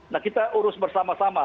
nah kita urus bersama sama